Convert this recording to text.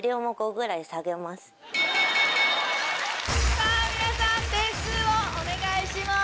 さぁ皆さん点数をお願いします。